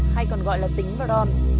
hay còn gọi là tính và don